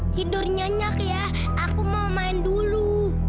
tidur nyenyak ya aku mau main dulu